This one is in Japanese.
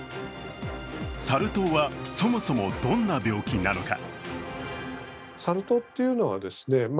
サル痘はそもそもどんな病気なのか。